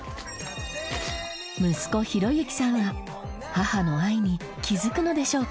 息子浩之さんは母の愛に気づくのでしょうか？